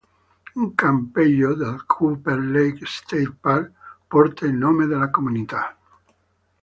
Un campeggio nel Cooper Lake State Park porta il nome della comunità.